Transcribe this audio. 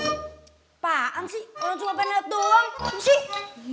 apaan sih orang cuma pengen lihat doang